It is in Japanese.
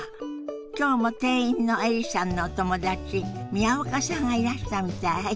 今日も店員のエリさんのお友達宮岡さんがいらしたみたい。